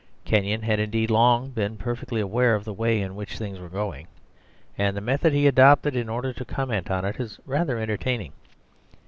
Kenyon had indeed long been perfectly aware of the way in which things were going; and the method he adopted in order to comment on it is rather entertaining.